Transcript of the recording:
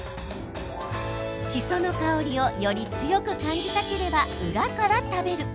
しその香りをより強く感じたければ裏から食べる。